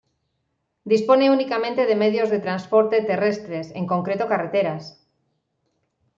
Dispone únicamente de medios de transporte terrestres, en concreto carreteras.